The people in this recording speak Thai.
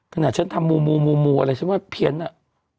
ขนาดฉันทำมูอะไรฉันว่าเพียนอ่ะ